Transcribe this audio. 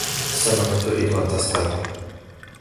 السمكة تريد أن تسبح.